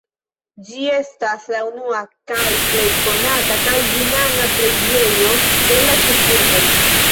Ĝi estas la unua kaj plej konata kalvinana preĝejo de la ĉefurbo.